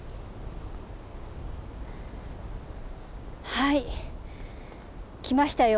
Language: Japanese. はい来ましたよ。